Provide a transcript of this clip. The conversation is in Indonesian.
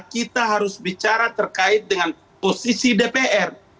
kita harus bicara terkait dengan posisi dpr